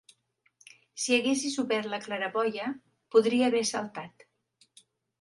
Si haguessis obert la claraboia, podria haver saltat.